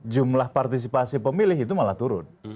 jumlah partisipasi pemilih itu malah turun